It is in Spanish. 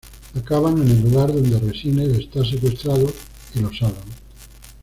Acaban en el lugar donde Resines está secuestrado y lo salvan.